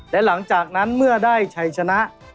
และหลังจากนั้นเมื่อได้ชัยชนะ